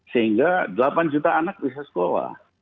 sehingga delapan juta anak bisa sekolah